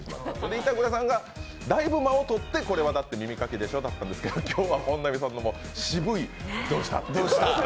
板倉さんがだいぶ間をとって「これはだって耳かきでしょ」だったんですけど今日は本並さんの渋い